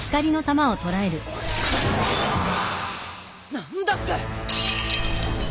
何だって！？